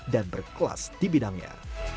dan berkelas di bidangnya